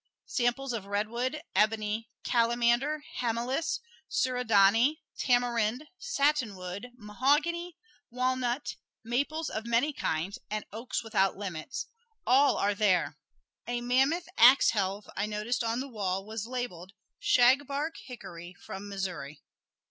Samples of redwood, ebony, calamander, hamamelis, suradanni, tamarind, satinwood, mahogany, walnut, maples of many kinds and oaks without limit all are there. A mammoth ax helve I noticed on the wall was labeled, "Shagbark hickory from Missouri."